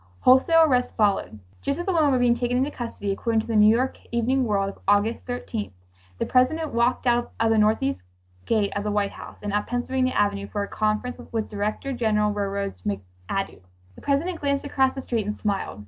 Wholesale arrests followed. Just as the women were being taken into custody, according to the New York Evening World of August 13th, "the President walked out of the northeast gate of the White House and up Pennsylvania Avenue for a conference with Director General of Railroads McAdoo. The President glanced across the street and smiled."